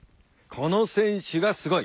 この選手がすごい。